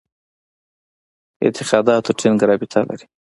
اعتقاداتو ټینګه رابطه لري.